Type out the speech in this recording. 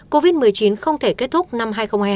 covid một mươi chín không thể kết thúc năm hai nghìn hai mươi